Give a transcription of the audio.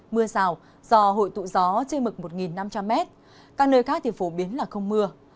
mưa rào do hội tụ gió trên mực một năm trăm linh m các nơi khác thì phổ biến là không mưa